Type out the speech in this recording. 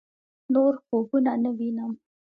نور خوبونه نه وينم